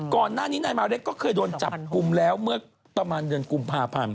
ก่อนหน้านี้นายมาเล็กก็เคยโดนจับกลุ่มแล้วเมื่อประมาณเดือนกุมภาพันธ์